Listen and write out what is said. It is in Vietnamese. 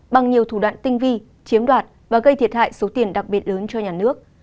bằng nhiều thủ đoạn tinh vi chiếm đoạt và gây thiệt hại số tiền đặc biệt lớn cho nhà nước